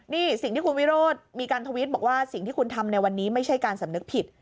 นี่สิ่งที่คุณวิโรธมีการทวิตบอกว่าสิ่งที่คุณทำในวันนี้ไม่ใช่การสำนึกผิด